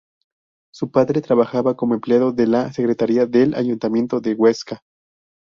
Su padre trabajaba como empleado de la Secretaría del Ayuntamiento de Huesca.